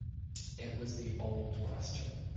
It was the old question.